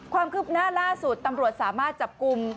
ความคืบหน้าล่าสุดตำรวจสามารถจับกลุ่ม